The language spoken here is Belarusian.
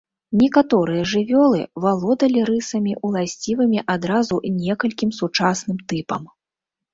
Некаторыя жывёлы, валодалі рысамі, уласцівымі адразу некалькім сучасным тыпам.